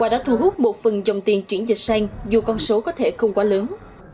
và đã thu hút một phần dòng tiền chuyển dịch sang dù con số có thể không quá lớn